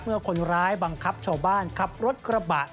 คนร้ายบังคับชาวบ้านขับรถกระบะ